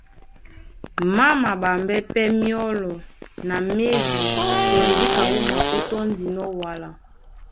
Má maɓambɛ́ pɛ́ myɔ́lɔ na médi tɔ njíka wúma ó tɔ́ndinɔ́ wala.